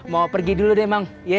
mau pergi dulu deh bang